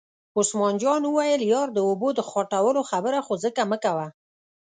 عثمان جان وویل: یار د اوبو د خوټولو خبره خو ځکه مکوه.